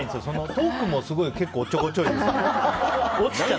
トークも結構おっちょこちょいですね。